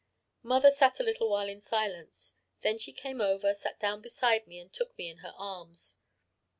"Mother sat a little while in silence. Then she came over, sat down beside me, and took me in her arms.